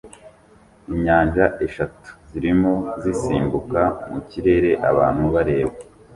Inyanja eshatu zirimo zisimbuka mu kirere abantu bareba